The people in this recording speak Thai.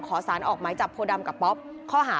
เมื่อวานหลังจากโพดำก็ไม่ได้ออกไปไหน